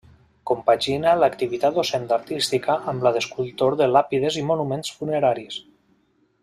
Compagina l'activitat docent artística amb la d'escultor de làpides i monuments funeraris.